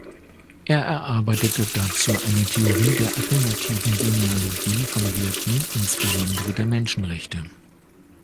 Er erarbeitete dazu eine Theorie der "affirmativen Genealogie" von Werten, insbesondere der Menschenrechte.